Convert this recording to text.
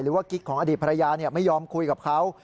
หรือว่ากิ๊กของอดีตภรรยาเนี่ยไม่ยอมคุยกับเขา